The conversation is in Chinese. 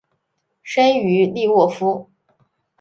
生于利沃夫。